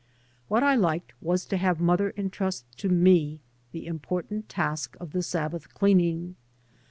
What I liked was to have mother entrust to me the important task of the Sabbath cleaning.